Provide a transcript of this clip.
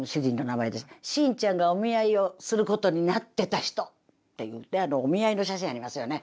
「シンちゃんがお見合いをすることになってた人」って言うてお見合いの写真ありますよね？